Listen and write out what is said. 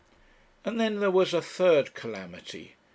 And then there was a third calamity.